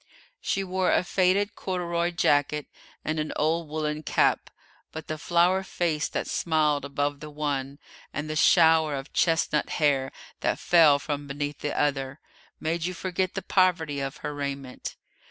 She wore a faded corduroy jacket and an old woollen cap, but the flower face that smiled above the one, and the shower of chestnut hair that fell from beneath the other, made you forget the poverty of her raiment.